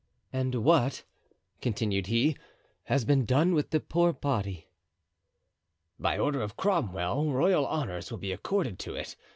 "And what," he continued, "has been done with the poor body?" "By order of Cromwell royal honors will be accorded to it.